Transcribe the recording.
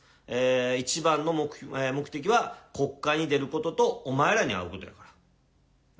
一番の目的は国会に出ることと、お前らに会うことやから、ね。